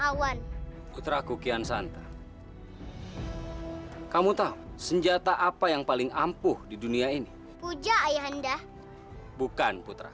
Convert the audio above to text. awan putra kukian santa kamu tahu senjata apa yang paling ampuh di dunia ini puja ayahanda bukan putra